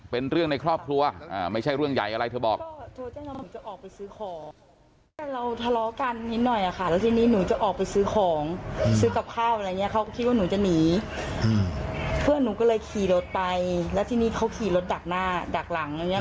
เพื่อนหนูก็เลยขี่รถไปแล้วที่นี่เขาขี่รถดักหน้าดักหลัง